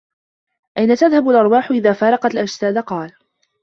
أَيْنَ تَذْهَبُ الْأَرْوَاحُ إذَا فَارَقَتْ الْأَجْسَادَ ؟ قَالَ